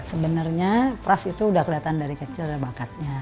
sebenernya pras itu udah kelihatan dari kecil bakatnya